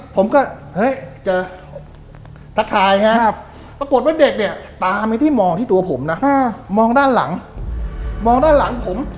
ผมก็เจอสาขายฮะปรากฏว่าเด็กตามมาที่ตัวผมนะมองด้านหลังผม